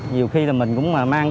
nhiều khi là mình cũng mang